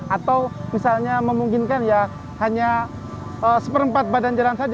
atau misalnya memungkinkan ya hanya seperempat badan jalan saja